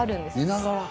「寝ながら？」